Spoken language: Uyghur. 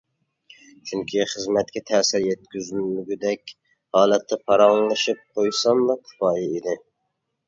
چۈنكى خىزمەتكە تەسىر يەتكۈزمىگۈدەك ھالەتتە پاراڭلىشىپ قويساملا كۇپايە ئىدى.